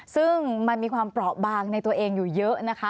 ซึ่งมันมีความเปราะบางในตัวเองอยู่เยอะนะคะ